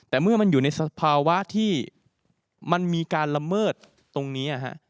แต่เมื่อมันอยู่ในสภาวะที่มันมีการละเมิดตรงนี้